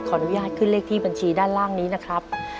อนุญาตขึ้นเลขที่บัญชีด้านล่างนี้นะครับ